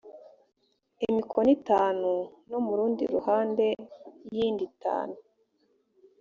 imikono itanu no mu rundi ruhande yindi itanu